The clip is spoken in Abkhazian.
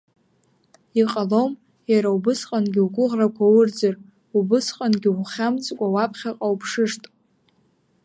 Иҟалом иара убысҟангьы угәыӷрақәа урӡыр, убасҟангьы, ухьамҵкәа, уаԥхьаҟа уԥшышт.